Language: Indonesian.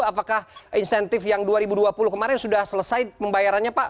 apakah insentif yang dua ribu dua puluh kemarin sudah selesai pembayarannya pak